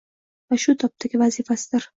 va shu tobdagi vazifasidir.